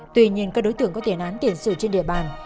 tuy nhiên các đối tượng có tiền án tiền sự trên địa bàn